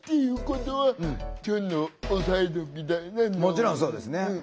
もちろんそうですね。